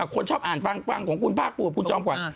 คนชอบอ่านฟังของคุณภาครภูมิเอาคุณจองก่อน